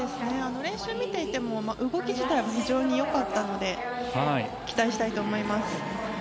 練習を見ていても動き自体も非常によかったので期待したいと思います。